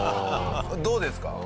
どうですか？